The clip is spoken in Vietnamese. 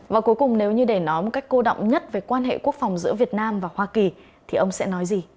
và cuối cùng nếu như để nói một cách cô động nhất về quan hệ quốc phòng giữa việt nam và hoa kỳ thì ông sẽ nói gì